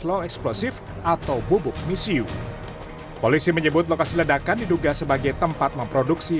low explosive atau bubuk misiu polisi menyebut lokasi ledakan diduga sebagai tempat memproduksi